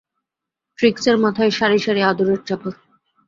ট্রিকসের মাথায় রাশি রাশি আদরের চাপড়।